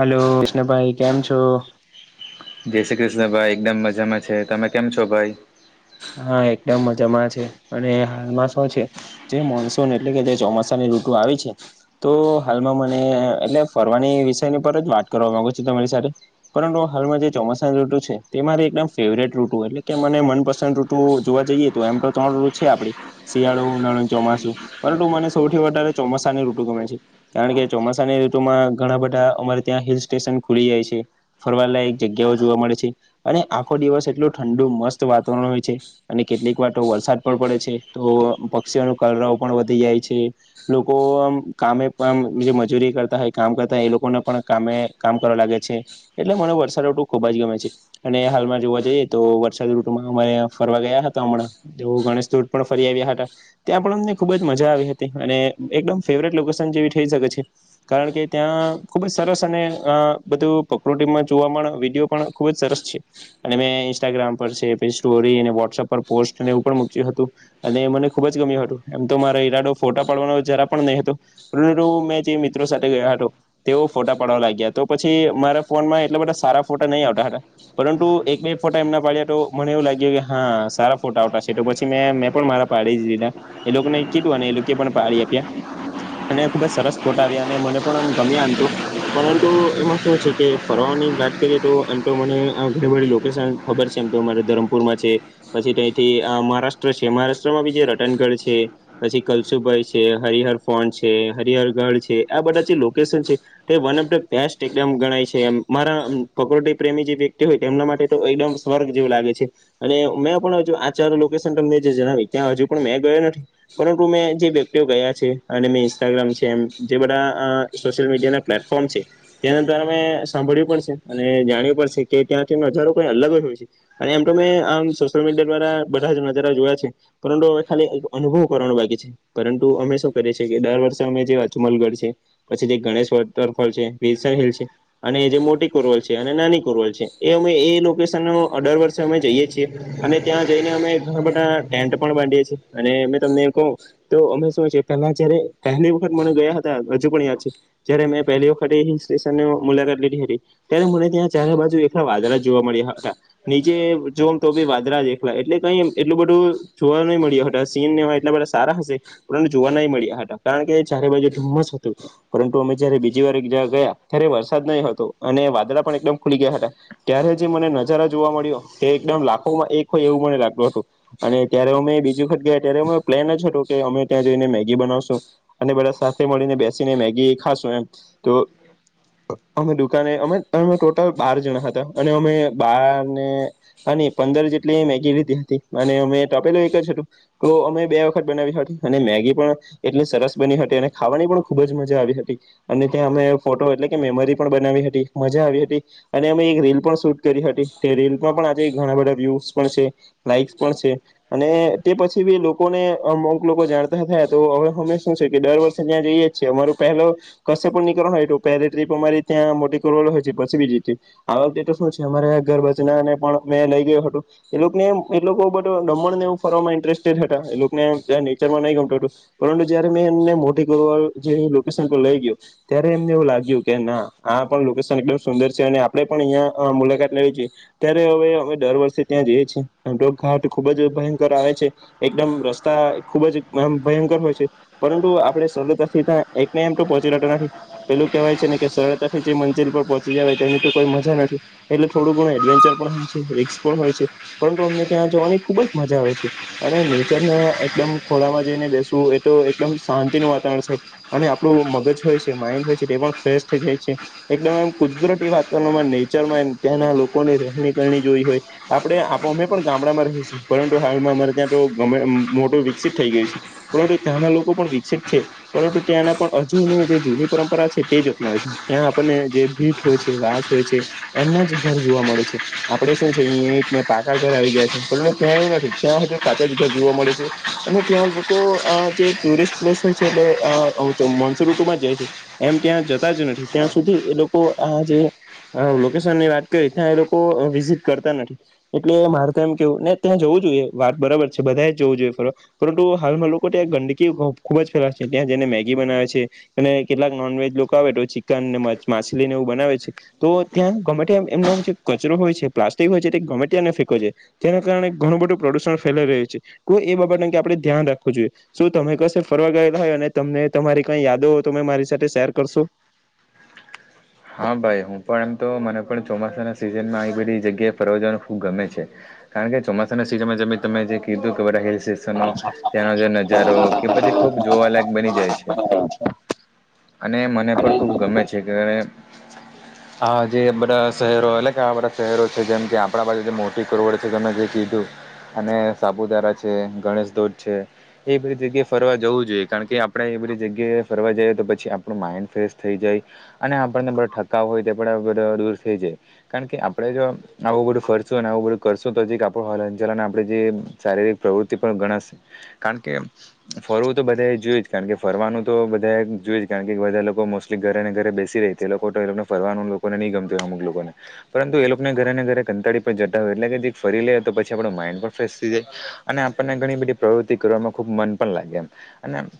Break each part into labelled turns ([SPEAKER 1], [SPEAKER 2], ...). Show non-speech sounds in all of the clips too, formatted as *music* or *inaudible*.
[SPEAKER 1] Hello Kishnabhai, કેમ છો?
[SPEAKER 2] જે શ્રી કૃષ્ણ ભાઈ, એકદમ મજામાં છે, તમે કેમ છો ભાઈ?
[SPEAKER 1] હા, એકદમ મજામાં છે, અને હાલમાં શું છે? જે મોનસૂન એટલે કે જે ચોમાસાની ઋતુ આવી છે તો હાલમાં મને એટલે ફરવાની વિષયની પર જ વાત કરવા માંગુ છું તમારી સાથે પરંતુ હાલમાં જે ચોમાસાની ઋતુ છે તે મારી એકદમ ફેવરેટ ઋતુ એટલે કે મને મપસં સંદ ઋતુ જોવા જઈએ, તો એમ તો ત્રણ રૂ છે આપડી શિયાળો, ઉનાળો ને ચોમાસું પરંતુ મને સૌથી વધારે ચોમાસાની ઋટુ ગમે છે કારણ કે ચોમાસાની ઋતુમાં ઘણા બધા અમારે ત્યાં હિલ સ્ટેશન ખુલી જાય છે ફરવાલાયક જગ્યાઓ જોવા મળે અને આખો દિવસ એટલું ઠંડુ મસ્ત વાતાવરણ હોય છે અને કેટલીક વાર વરસાદ પણ પડે છે તો પક્ષીઓ નો કલરવ પણ વધી જાય છે લોકો આમ કામે પણ જે મજૂરી કરતા હોય, કામ કરતા હોય, એ લોકોને પણ કામે કામ કરવા લાગે છે એટલે મને વર્ષા ઋટુ ખુબ જ ગમે છે અને હાલમાં જોવા જઈએ તો વરસાદ ઋ ટુમા અમે ફરવા ગયા હતા અમણાં, તેઓ ગણેશધોધ પણ ફરી આવ્યા હતા. ત્યાં પણ અમને ખુબ જ મજા આવી હતી અને એકદમ ફેવરેટ લોકેશન જેવી થઈ શકે છે. કારણ કે ત્યાં ખુબ જ સરસ અને અ બધું પકૃતિકમાં જોવા મણ વિડીયો પણ ખુબ જ સરસ છે, અને મેં ઇન્સ્ટાગ્રામ પર છે સ્ટોરી અને વોટ્સ‌અપ પર પોસ્ટ ને એવુ પણ મુક્યું હતું. અને એ મને ખુબ જ ગમ્યું હટુ. એમ તો મારા ઈરાડો ફોટા પાડવાનો જરા પણ નહીં હતો. *unintelligible* મેં જે મિત્રો સાથે ગયા હટો. તેઓ ફોટા પાડવા લાગ્યા. તો પછી મારા ફોનમાં એટલા બધા સારા ફોટા નહી આવટા હટા. પરંટુ એક બે ફોટા એમના પાડ્યા તો મને એવું લાગ્યું કે, હા સારા ફોટા આવટાશે તો પછી મેં મેં પણ મારા પાડી જ દીધા. એ લોકને કીધું અને એ લોકે પણ પાળી આપ્યા. અને ખુબ જ સરસ ફોટા આવ્યા અને મને પણ અમ ગમ્યા એમ તો પરંતુ એમાં શું છે કે, ફરવાની જ વાત કરીએ તો એમ તો મને આ ઘણી બઢી લોકેશન ખબર છે એમ. તો અમારે ધરમપુરમાં છે પછી તયથી આ મહારાષ્ટ્ર છે, મહારાષ્ટ્રમાં બી જે રટનગઢ છે પછી કલસુભાઈ છે, હરિહર ફોન છે, હરિહર ગઢ છે. આ બધા જે લોકેશન છે. તે વન ઓફ ધ બેસ્ટ એકદમ ગણાય છે એમ. મારા પ્રક્રુટિપ્રેમી જે વ્યક્તિ હોય તેમના માટે તો એકડમ સ્વર્ગ જેવું લાગે છે અને મેં પણ હજુ આ ચારો લોકેશન તમને જે જણાવી ત્યાં હજુ પણ મેં ગયો નથી. પરંતુ મેં જે વ્યક્તિઓ ગયા છે અને મે ઇન્સ્ટાગ્રામ છે એમ જે બધા આહ સોશિયલ મીડિયાના પ્લેટફોર્મ છે. તેના દ્વારા મે સાંભળ્યું પણ છે અને જાણ્યું પણ છે કે ત્યાંથી નજારો કંઈ અલગ જ હોય છે. અને એમ ટો મેં આમ સોશિયલ મીડિયા દ્વારા બઢા જ નજારા જોયા છે. પરંટુ હવે ખાલી એક અનુભવ કરવાનો બાકી છે. પરંટુ અમે શું કરીએ છે કે, ડરવર્ષે અમે જે અચમલગઢ છે. પછી જે ગણેશ વોટ.. રફોલ છે, વિલ્સન હિલ છે. અને એ જે મોટી કોરવલ છે અને નાની કોરવલ છે. એ અમે એ લોકેશનનો ડરવર્ષે અમે જઈએ છીએ. અને ત્યાં જઈને અમે ઘણા બધા ટેન્ટ પણ બાંધીએ છીએ અને મેં તમને એ કવ તો અમે શું છે. પહેલા જ્યારે પહેલી વખત મને ગયા હતા. હજુ પણ યાદ છે. જ્યારે મેં પહેલી વખત એ હિલ સ્ટેશનની મુલાકાત લીઢી હટી. ત્યારે મને ત્યાં ચારે બાજુ એકલા વાદળા જોવા મળ્યા હટા. નીચે જોમ તો બી વાદળા જ એખલા એટલે કંઈ એમ એટલું બઢુ જોવા નઈ મળ્યું હટા. સીન ને એવાં એટલા બઢા તારા હશે પરંતુ જોવા નઈ મળ્યા હટા. કારણ કે, ચારે બાજુ ધુમ્મસ હતુ. પરંતુ અમે જ્યારે બીજીવાર એક જગા ગયા ત્યારે વરસાદ ન‌ઇ હતો અને વાદળા પણ એકદમ ખુલી ગયા હતા. ત્યારે જે મને નજારા જોવા મળ્યો ટે એકડમ લાખોમાં એક હોય એવું મને લાગટુ હટુ. અને ત્યારે અમે બીજી વખટ ગયા ટ્યારે અમ પ્લેન જ હતો કે, અમે ત્યાં જઈને મેગી બનાવશું. અને બધા સાથે મળીને બેસીને મેગી ખાશું એમ તો અમે દુકાને અમે અમે ટોટલ બાર જણા હતા અને અમે બાર ને હાની પંદર જેટલી મેગી લીધી હતી અને મે ટપેલું એક જ હટુ. તો અમે બે વખત બનાવી હટી અને મેગી પણ એટલી સરસ બની હટી અને ખાવાની પણ ખુબ જ મજા આવી હટી. અને ત્યાં અમે ફોટો એટલે કે, મેમરી પણ બનાવી હટી મજા આવી હટી. અને અમે એક રીલ પણ શૂટ કરી હટી. તે રીલ્સમાં પણ આજે ઘણા બધા વ્યુહસ પણ છે. લાઈક્સ પણ છે. અને તે પછી બી લોકોને અમુક લોકો જાણતા થયા. તો હવે અમે શું છે કે દર વર્ષે ત્યાં જઈએ છે અમારો પહેલો કશ્શે પણ નીકરવાન હોય તો પહેલી ટ્રીપ અમારી ત્યાં મોટી કોરવલ હોય છે. પછી બીજી ટ્રીપ આ વખટે ટો શું છે? અમારે ઘર બાજનાને પણ મેં લઈ ગયો હટો. એ લોકને એમ એ લોકો બઢો દમણ ને એવું ફરવામાં ઇન્ટરેસ્ટેડ હટા. એ લોકને ટ્યા નેચરમાં નહીં ગમટુ હટુ. પરંટુ જ્યારે મેં એમને મોટી કોરવાલ જે લોકેશન પર લઈ ગ્યો. ત્યારે એમને એવું લાગ્યું કે, ના આ પણ લોકેશન એકડમ સુંદર છે. અને આપણે પણ અહિયાં મુલાકાત લેવી જોઈએ. ત્યારે હવે અમે દરવર્ષે ત્યાં જઈએ છીએ. એમ ટો ઘાટ ખુબ જ ભયંકર આવે છે. એકદમ રસ્તા ખુબ જ ભયંકર હોય છે. પરંતુ આપણે સનગોસીતા એક એમ તો પહોંચી લતો નથી. પેલું કહેવાય છે ને કે સરળતાથી જે મંઝીલ પર પહોંચી જવાય તેની તો કોઈ મજા નથી એટલે થોડું ગણું એડ વેનચર પણ હોય છે, એકસપો હોય છે પરંતુ અમને ત્યાં જવાની ખુબ જ મજા આવે છે. અને નેચરના એકદમ ખોળામાં જઈને બેસવું એ તો એકદમ શાંતિનું વાતાવરણ છે. અને આપણું મગજ હોય છે, માઈન્ડ હોય છે તે પણ ફ્રેશ થઈ જાય છે. એકદમ એમ કુદરતી વાતાવરણમાં નેચરમાં એમ ત્યાંના લોકોની રહેણી કરણી જોઈ હોય. આપડે આપ અમે પણ ગામડામાં રહયે છે પરંતુ હાલમાં અમારે ત્યાં તો ગમ મોટું વિકસિત થઈ ગયું છે. પરંતુ ત્યાંના લોકો પણ વિકસિત છે. પરંતુ ત્યાંના પણ હજુની જે જૂની પરંપરા છે તે જ અપનાવે છે ત્યાં આપણને જે ભીટ હોય છે, વાસ હોય છે એમ જ ઘર જોવા મળે છે. આપડે શું છે અયા ઇટ ને પાકા ઘર આવી ગયા છે પણ ત્યાં એવું નથી ત્યાં હજું કાચા જ ઘર જોવા મળે છે. અને ત્યાં લોકો અ જે ટુરિસ્ટ પ્લેસ હોય છે એટલે અ મોનસુન ઋતું માં જાય છે. એમ ત્યાં જતા જ નથી ત્યાં સુધી એ લોકો આ જે આ લોકેશન ની વાત કરી ત્યાં એ લોકો લોકો વિઝિટ કરતા નથી. એટલે મારે તો એમ કેવું ને ત્યાં જવું જોઈએ વાત બરાબર છે બધા એ જ જવું જોઈએ ફરવા પરંતુ હાલમાં લોકો ત્યાં ગંદકી ખુબ જ ફેલાવે છે ત્યાં જઈને મેગી બનાવે છે. અને કેટલાક નોનવેજ લોકો આવે તો ચિકન ને માછલી ને એવું બનાવે છે. તો ત્યાં ગમે તેમ એમનો જે કચરો હોય છે, પ્લાસ્ટિક હોય છે તે ગમે ત્યાં ન ફેંકવો જોઈએ. તેના કારણે ઘણું બધું પ્રદુષણ ફેલાઈ રહ્યું છે તો એ બાબતે આપણે ધ્યાન રાખવું જોઈએ. શું તમે કસે ફરવા ગયેલા હોય અને તમને તમારી કઈ યાદો તમે મારી સાથે શેર કરશો?
[SPEAKER 2] હા ભાઈ હું પણ એમ તો મને પણ ચોમાસાના સિઝનમાં આવી બધી જગ્યાએ ફરવા જવાનું ખૂબ ગમે છે. કારણ કે ચોમાસાના સિઝનમાં તમે જે કીધું કે બધા હિલ સ્ટે સ્નો ત્યાંનો જે નજારો કે બધી ખુબ જોવાલાયક બની જાય છે. અને મને પણ ખૂબ ગમે છે કે આ જે બધા શહેરો એટલે કે આવા બધા શહેરો છે જેમ કે આપણા પાસે જે મોટી કરોડ કે તમે જે કીધું અને સાપુતારા છે, ગણેશ ધોધ છે એ બધી જગ્યાએ ફરવા જવું જોઈએ કારણ કે આપણે એ બધી જગ્યાએ ફરવા જઈએ તો પછી આપણું માઇન્ડ ફ્રેશ થઈ જાય અને આપ આપણ ને બધો ઠકાવ હોય તે પણ બધો દૂર થઈ જાય કારણ કે આપડે જો આવું બધું ફરસું આવું બધું કરશું તો જીક હલન, ચલન આપણી જે શારીરિક પ્રવૃત્તિ પણ ગણાશે કારણ કે ફરવું તો બધા એ જોયું જ કારણ કે ફરવાનું તો બધા જોય જ કારણ કે બધા લોકો મોસ્ટલી ઘરે ને ઘરે બેસી રેય તે લોકો તો એ લોકોને ફરવાનું લોકો ની ગમતું હોઈ અમુક લોકોને તો પરંતુ એ લોકોને ઘરે ને ઘરે કંતાળી જતા હો એટલે કે ફરી લે તો પછી આપણું માઇન્ડ પણ ફ્રેશ થઈ જાય. અને આપણને ઘણી બધી પ્રવૃત્તિ કરવામાં ખુબ મન પણ લાગે અને એમ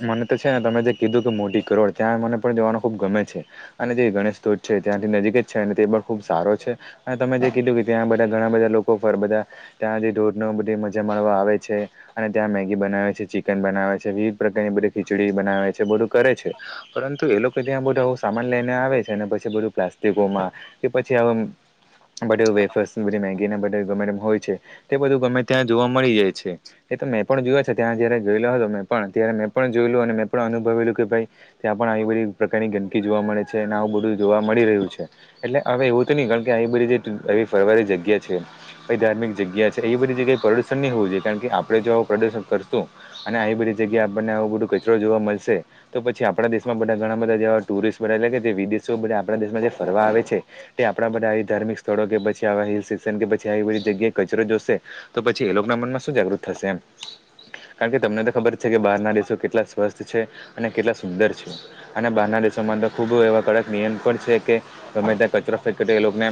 [SPEAKER 2] મને તો છે ને તમે જે કીધું કે મોટી કરોડ ત્યાં મને પણ જવાનું ખુબ ગમે છે. અને જે ગણેશ ધોધ છે ત્યાંથી નજીક જ છે તે પણ ખુબ સારો છે. અને તમે જે કીધું કે ત્યાં બધા ઘણા બધા લોકો ફર બધા ત્યાંથી ધોધ ને બધી મજા માણવા આવે છે. અને ત્યાં મેગી બનાવે છે, ચિકન બનાવે છે વિવિધ પ્રકારની બધી ખીચડી બનાવે છે બધું કરે છે. પરંતુ એ લોકો ત્યાં બધું આવો સામાન લઈને આવે છે પછી બધું પ્લા પ્લાસ્ટિકો માં કે પછી આ બ વેફર્સ ને મેગી ને બધી ગમે તેમ હોય છે તે બધું ગમે ત્યાં જોવા મળી જાય છે. એ તો મેં પણ જોયા છે ત્યાં જયારે જોયેલો હતો મેં પણ ત્યારે મેં પણ જોયેલું અને મેં પણ અનુભવેલું કે ભાઈ ત્યાં પણ આવી બધી પ્રકારની ગંદકી જોવા મળે છે અને આવું બધું જોવા મળી રહ્યું છે. એટલે હવે એવું તો નઈ કારણકે આવી બધી જે આવી ફરવા વાળી જગ્યા છે કઈ ધાર્મિક જગ્યા છે એવી બધી જગ્યા પ્રદુર્શન નહી હોવું જોઈએ, કારણકે આપણેે જો આવું પ્રદુર્શન કરશું અને આવી બધી જગ્યાએ આપણે આવું બધું કચ રો જોવા મળશે તો પછી આપણા દેશમાં બધા ઘણા બધા જેવા ટુરિસ્ટ બધા, એટલે કે જે વિદેશો બધા આપણા દેશમાં જે ફરવા આવે છે તે આપડા બધા આવી ધાર્મિક થોડો કે પછી આવા હિલ સ્ટેશન કે પછી આવી બધી જગ્યાએ કચરો જોશે. તો પછી એ લોકો ના મનમાં શું જાગૃત થશે એમ. કારણકે તમને તો ખબર છે કે બહાર ના દેશો કેટલા સ્વસ્થ છે અને કેટલા સુંદર છે. અને બહારના દેશોમાં અંદ ખૂબ એવા કડક નિયમ પણ છે કે ગમે ત્યાં કચરો ફેકે તો એ લોકોને,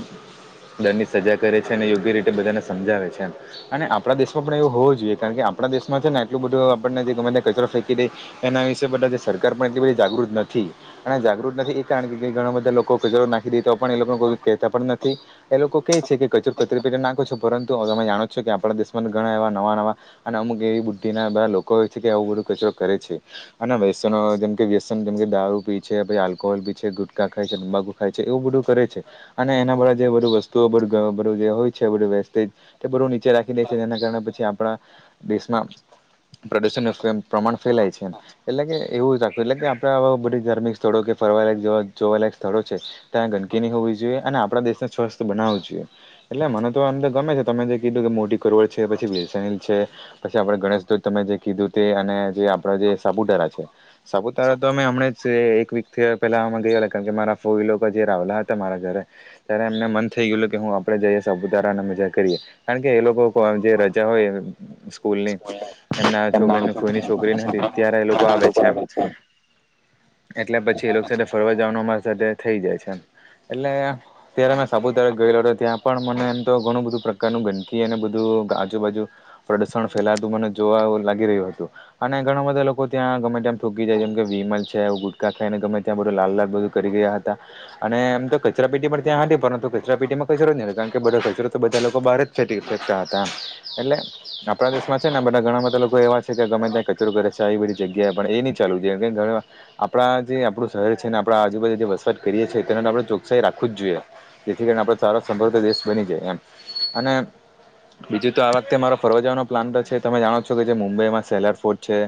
[SPEAKER 2] દર સજા કરે અને યોગ્ય રીતે બધાને સમજાવે છે એમ. અને આપડા દેશમાં પણ એવું હોવું જોઈએ કારણ કે આપડા દેશમાં છે ને આટલું બધું આપણને જે ગમે કચરો ફેંકી દે એના વિશે બધા સરકાર પણ એટલી બધી જાગૃત નથી. અને જાગૃત નથી એ કારણકે ઘણા બધા લોકો કચરો નાખી દે તો પણ એ લોકોને કોઈ કહેતા પણ નથી. એ લોકો કે છે કે કચોર કચરી પેટે નાખો છો પરંતુ તમે જાણો છો કે આપડા દેશમાં ઘણા એવા નવા નવા. અને અમુક એવી બુદ્ધિ ના બધા લોકો હો છે કે આવું બુરુ કચરો કરે છે. અને વ્યસનો જેમકે વ્યસન જેમકે દારૂ પી છે આલ્કોહોલ બી છે, ગુટકા ખાય છે, તાંબાકુ ખાય છે, એવું બધું કરે છે. અને એના બધા જે બધું વસ્તુઓ બધું જે હોય છે બધું વેસ્ટેજ તે બધું નીચે રાખી દે છે જેના કારણે પછી આપડા દેશમાં પ્રદૂષણનો એમ પ્રમાણ ફેલાય છે એમ, એટલેકે એવું રાખ્યું, એટલેકે આપડે આવા બધી ધાર્મિક જોકે ફરવા લાયક, જોવા લાયક સ્થળો છે. ત્યાં ગંદકીની હોવી જોઈએ અને આપણા દેશને સ્વસ્થ બનાવવું જોઈએ. એટલે મને તો અંદર ગમે છે તમે જે કીધું કે મોટી કરવળ છે, પછી વિલ્સન હિલ છે. પછી આપડે ગણેશ ધોત તમે જે કીધું તે અને જે આપડા જે સાપુતારા છે. સાપુતારા તો અમે હમણા જ એક થીયર થી પેલામાં ગયાેલા કારણકે મારા ફોઈ લોકો જે આવેલા હતા મારા ઘરે. ત્યારે એમને મન થઇ ગયું કે હું આપડે જઈએ સાપુતારાને મજા કરીએ. કારણકે એ લોકો જે રજા હોય. સ્કૂલની એમના છોકરી ફઈની છોકરીને હતી ત્યારે એ લોકો આવે છે, એમ
[SPEAKER 1] હા.
[SPEAKER 2] એટલે પછી એ લોકો સાથે ફોરવા જવાનું અમારી સાથે થઈ જાય છે, એટલે. ત્યારે મેમે સાપુતારા ગયેલો હતો ત્યાં પણ મને એમ તો ઘણું બધું પ્રકારનું ગંદકી અને બધું આજુબાજુ. પ્રદુષણ ફેલાતું મને જોવ લાગી રહ્યું હતું. અને ઘણા બધા લોકો ત્યાં ગમે તેમ થૂંકી જાય જેમ કે વિમલ છે, આવું બધું ત્યાં ખાઈને ગમે ત્યાં બધુ લાલ લાલ, બધું કરી રહ્યા હતા. અને આમ તો કચરા પેટી પર ત્યાં હતી પરંતુ કચરા પેટીમાં કચરો જ ન કારણકે બધો કચરો તો બધા લોકો બહાર જ *unintelligible* ફેંકતા હતા એટલે આપડા દેશમાં છે ને બધા ઘણા બધા લોકો એવા છે કે ગમે ત્યાં કચરો કરે છે, આવી બધી જગ્યાએ પણ એ પણ *unintelligible* આપડા જે આપડું શહેર છે ને આપડા આજુબાજુ જે વસવાટ કરીએ છીએ તેના આપડે ચોકસાહી રાખવું જ જોઈએ. જેથી કરીને આપડો સારો સમભૃદધ દેશ બની જાય એમ અને બીજું તો આ વખતે મારો ફરવા જવાનો પ્લાન તો છે, તમે જાણો છો કે જે મુંબઈમાં જે સેલાર ફોર્ટ છે.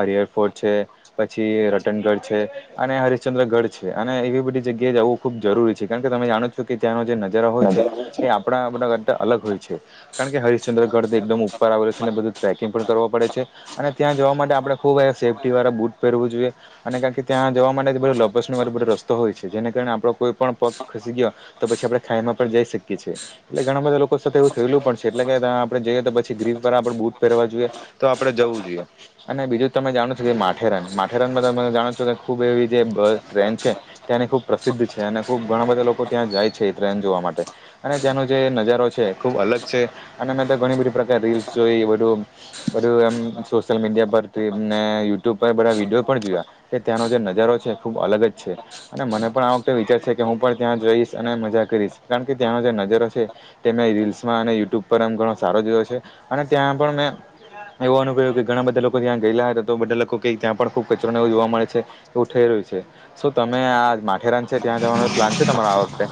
[SPEAKER 2] હરિયર ફોર્ટ છે પછી પાટનગઢ છે અને હરશચંદ્રગઢ છે અને એવી બધી જગ્યાએ જવું ખુબ જરૂરી છે કારણકે તમે જાણો છો કે ત્યાંનો જે ન જરા હોય છે એ આપડા આપના કરતા અલગ હોય છે. કારણ કે હરિશચંદ્રગઢથી એકદમ ઉપર આવેલું છે, ને બધું ટ્રેકિંગ પણ કરવો પડે છે. અને ત્યાં જવા માટે આપણે ખુબ આ સેફ્ટી વાળા બુટ પહેરવું જોઈએ. અને કારણ કે, ત્યાં જવા માટે *unintelligible* પેલું લપસણુંવાળું પેલું રસ્તો હોય છે. જેને કારણે આપણો કોઈ પણ પગ ખસી ગયો તો પછી આપણે ખાઈમાં પણ જઈ શકીએ છીએ. એટલે ઘણા બધા લોકો સાથે એવું થયેલું પણ છે. એટલે કે ત્યાં આપણે જઈએ તો પછી ગ્રીફવાળા આપણે બૂટ પહેરવાં જોઈએ. તો આપણે જવું જોઈએ. અને બીજું તમે જાણો છો, કે માથેરાન. માથ થેરાનમાં તો તમે જાણો જ છો, કે ખૂબ એવી જે બસ, ટ્રેન છે. ત્યાંની ખુબ પ્રસિદ્ધ છે. અને ખુબ ઘણા બધા લોકો ત્યાં જાય છે ઈ ટ્રેન જોવાં માટે. અને ત્યાંનો જે નજારો છે, ખૂબ અલગ છે. અને મે તો ઘણી બધી પ્રકાર રીલ્સ જોઈ. એ બધું બધું એમ સોશિયલ મીડિયા પરથી, ને યુટ્યુબ પર બધા વીડિયો પણ જોયા. કે ત્યાંનો જે નજારો છે, એ ખૂબ અલગ જ છે. અને મને પણ આ વખતે વિચાર છે, કે હું પણ ત્યાં જઈશ, અને મજા કરીશ. કારણ કે ત્યાંનો જે નજારો છે તે મેં રીલ્સમાં અને યુટ્યુબ પર આમ ઘણો સારો જોયો છે. અને ત્યાં પણ મેં એવું અનુભવ્યું કે ઘણા બધા લોકો ત્યાં ગયેલા હતા, તો બધા લોકો કેઈ ત્યાં પણ બહુ કચરો ને એવું જોવા મળે છે. એવું થઈ રહ્યું છે. શું તમે આ માથેરાન છે, ત્યાં જવાનો પ્લાન છે તમારો આ વખતે?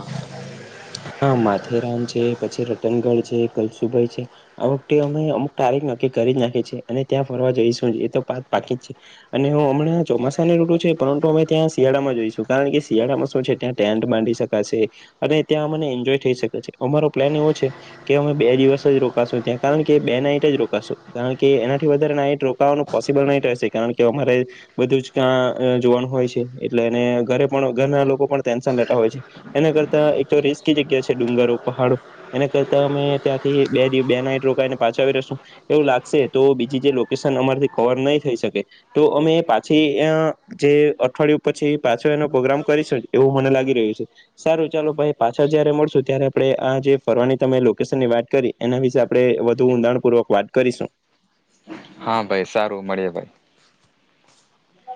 [SPEAKER 1] હા, માથેરાન છે, પછી રતનગઢ છે, કલસુભાઈ છે આ વખતે અમે અમુક તારીખ નક્કી કરી જ નાખી છે. અને ત્યાં ફરવા જઈશું, એ તો પાક પાકી જ છે. અને હું હમણાં ચોમાસાની ઋતુ છે, પરંતુ અમે ત્યાં શિયાળામાં જઈશું. કારણ કે, શિયાળામાં શું છે, ત્યાં ટેન્ટ બાંધી શક *unintelligible* અને ત્યાં મને એન્જોય થઈ શકે છે. અમારો પ્લાન એવો છે કે અમે બે દિવસ જ રોકાશું ત્યાં, કારણ કે બે નાઈટ જ રોકાશું. કારણ કે એનાથી વધારે નાઈટ રોકાવાનું પોસિબલ નહીં થઈ શકે. કારણ કે અમારે બધું જ ત્યાં જોવાનું હોય છે, એટલે અને ઘરે પણ ઘરના લોકો પણ ટેન્શન લેતા હોય છે. એના કરતાં એક તો રિસ્કી જગ્યા છે ડુંગરો, પહાડો. એના કરતાં અમે ત્યાંથી બે દિ બે નાઈટ રોકાઈને પાછા આવી રહેશું. એવું લાગશે, તો બીજી જે લોકેશન અમારાથી કવર નહીં થઈ શકે. તો અમે પાછી યાં જે અઠવાડિયું પછી પાછો એનો પોગ્રામ કરીશું, એવું મને રહ્યું છે. સારું, ચાલો ભાઈ પાછા જ્યારે મળશું ત્યારે આપણે આ જે ફરવાની તમે લોકેશનની વાત કરી, એના વિશે આપણે વધુ ઊંડાણપૂર્વક વાત કરીશું.
[SPEAKER 2] હા ભાઈ સારું, મળીએ. ભાઈ.